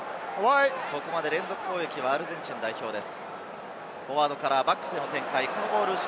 ここまで連続攻撃はアルゼンチン代表です。